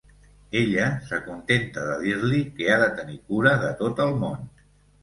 Ella s'acontenta de dir-li que ha de tenir cura de tot el món.